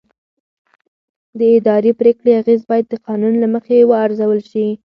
د اداري پرېکړې اغېز باید د قانون له مخې وارزول شي.